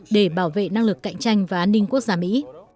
để bảo vệ năng lực cạnh tranh và an ninh quốc gia mỹ